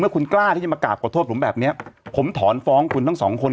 คุณกล้าที่จะมากราบขอโทษผมแบบเนี้ยผมถอนฟ้องคุณทั้งสองคน